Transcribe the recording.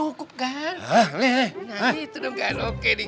aku mampu lunch di sini